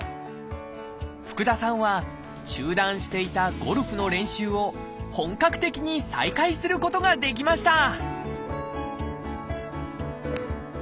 福田さんは中断していたゴルフの練習を本格的に再開することができました！